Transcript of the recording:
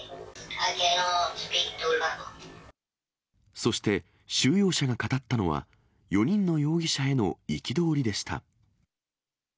そして収容者が語ったのは、４人の容疑者への憤りでした。